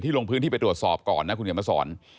ลงพื้นที่ไปตรวจสอบก่อนนะคุณเขียนมาสอน